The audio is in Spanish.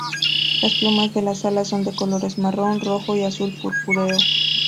Las plumas de las alas son de colores marrón, rojo y azul purpúreo.